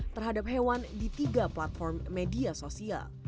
pada tahun dua ribu dua puluh hewan tersebut dikumpulkan di platform media sosial